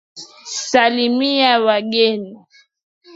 Salimia wageni.